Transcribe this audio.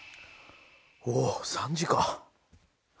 おおっ３時か。